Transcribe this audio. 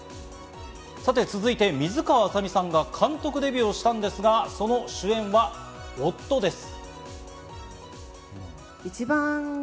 続いて、水川あさみさんが監督デビューしたんですが、その主演は夫です。